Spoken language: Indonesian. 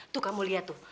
tuh kamu lihat tuh